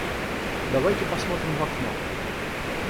Давайте посмотрим в окно!